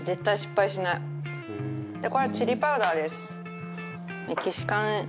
これはチリパウダーです。